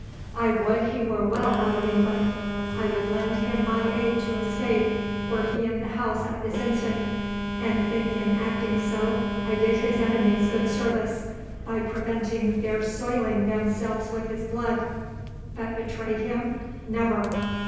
I would he were well out of England—I would lend him my aid to escape, were he in the house at this instant; and think in acting so I did his enemies good service, by preventing their soiling themselves with his blood—but betray him, never!"